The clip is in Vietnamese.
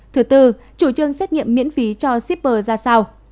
thứ tư chủ trương xét nghiệm miễn phí cho shipper ra sao